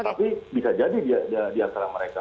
tapi bisa jadi di antara mereka